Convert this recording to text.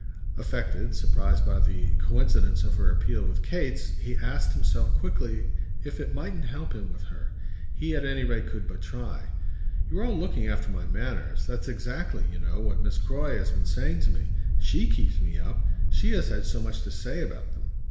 Affected, surprised by the coincidence of her appeal with Kate's, he asked himself quickly if it mightn't help him with her. He at any rate could but try. "You're all looking after my manners. That's exactly, you know, what Miss Croy has been saying to me. SHE keeps me up she has had so much to say about them."